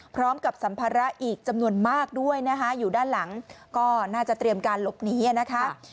สัมภาระอีกจำนวนมากด้วยนะคะอยู่ด้านหลังก็น่าจะเตรียมการหลบหนีนะคะ